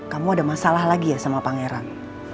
kamu ada masalah lagi ya sama pangeran